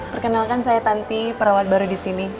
perkenalkan saya tanti perawat baru di sini